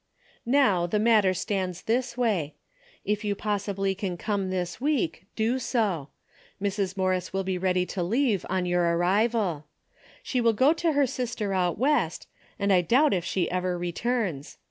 " Now the matter stands this way. If you possibly can come this week, do so. Mrs. Mor ris will be ready to leave on your arrival. She will go to her sister out West, and I doubt if she ever returns.